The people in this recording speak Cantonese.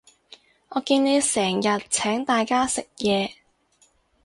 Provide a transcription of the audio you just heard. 我見你成日請大家食嘢